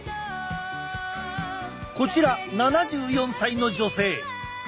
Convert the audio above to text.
こちら７４歳の女性。